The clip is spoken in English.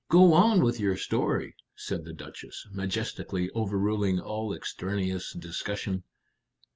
"Go on with your story," said the Duchess, majestically overruling all extraneous discussion.